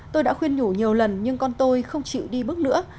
tôi đã khuyên nhủ nhiều lần nhưng con tôi không chịu đi bước nữa